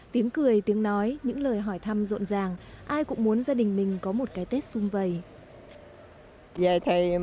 tiếng cười tiếng nói những lời hỏi thăm rộn ràng ai cũng muốn gia đình mình có một cái tết sung vầy